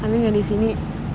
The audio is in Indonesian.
tami gak di sini